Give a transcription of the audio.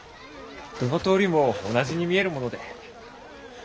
どの通りも同じに見えるもので。